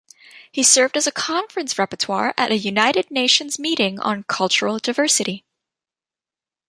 He served as a conference rapporteur at a United Nations meeting on cultural diversity.